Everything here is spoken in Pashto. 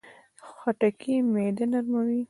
خټکی معده نرموي.